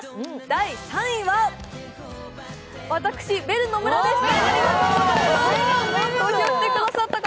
第３位は、私、ベル野村でした。